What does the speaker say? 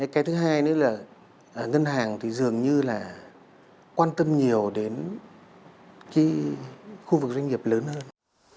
cái thứ hai nữa là ngân hàng thì dường như là quan tâm nhiều đến cái khu vực doanh nghiệp lớn hơn